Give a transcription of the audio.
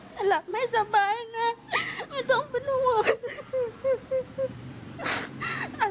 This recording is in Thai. ถ้าหลับไม่สบายไงไม่ต้องเป็นห่วง